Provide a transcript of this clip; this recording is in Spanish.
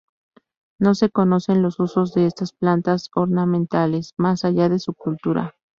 No se conocen los usos de estas plantas ornamentales más allá de su cultura.